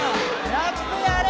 ラップやれ！